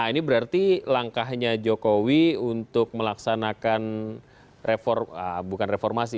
ini berarti langkahnya jokowi untuk melaksanakan bukan reformasi